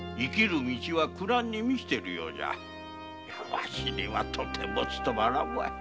わしにはとても勤まらん。